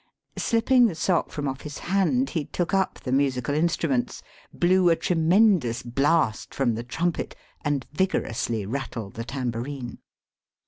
Slipping the sock from off his hand, he took up the musical instruments, blew a tremendous blast from the trumpet, and vigorously rattled the tambourine.